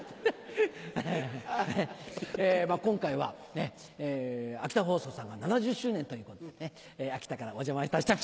まぁ今回は秋田放送さんが７０周年ということで秋田からお邪魔○△□×☆